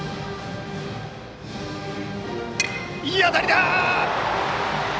いい当たりだ！